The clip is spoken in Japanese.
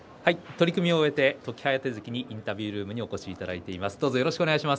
取組を終えて時疾風関にインタビュールームにお越しいただいています。